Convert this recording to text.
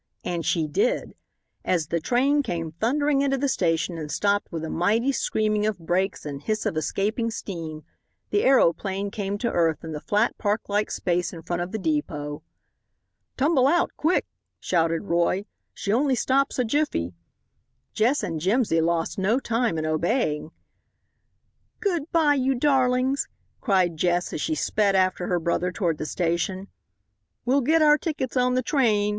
And she did. As the train came thundering into the station and stopped with a mighty screaming of brakes and hiss of escaping steam, the aeroplane came to earth in the flat park like space in front of the depot. "Tumble out quick!" shouted Roy, "she only stops a jiffy." Jess and Jimsy lost no time in obeying. "Good bye, you darlings!" cried Jess, as she sped after her brother toward the station. "We'll get our tickets on the train!"